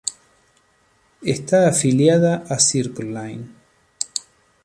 Está afiliada a Circle Line.